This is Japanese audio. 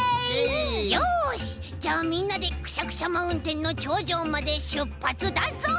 よしじゃあみんなでくしゃくしゃマウンテンのちょうじょうまでしゅっぱつだぞう！